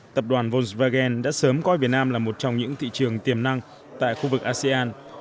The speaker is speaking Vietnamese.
tập đoàn volksvagen đã sớm coi việt nam là một trong những thị trường tiềm năng tại khu vực asean